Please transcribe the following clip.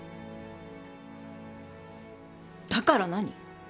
だから何？